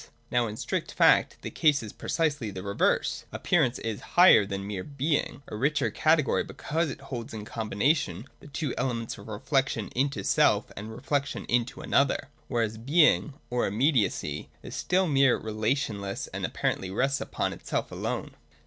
Now in strict fact, the case is precisely the reverse. Appear ance is higher than mere Being, — a richer category because it holds in combination the two elements of reflection into self and reflection into another : whereas Being (or imme diacy) is still mere relationlessness, and apparently rests upon itself alone.